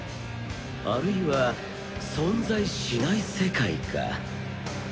あるいは存在しない世界か。